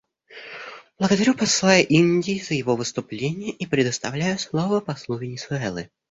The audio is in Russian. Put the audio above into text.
Благодарю посла Индии за его выступление и предоставляю слово послу Венесуэлы.